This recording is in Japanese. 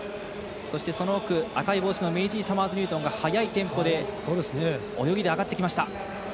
そしてその奥、赤い帽子のメイジー・サマーズニュートンが早いテンポで泳ぎで上がってきました。